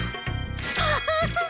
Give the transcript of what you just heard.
アハハっ！